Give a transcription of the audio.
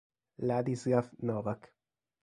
Ladislav Novák